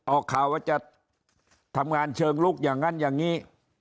ออกข่าวว่าจะทำงานเชิงลุกอย่างนั้นอย่างนี้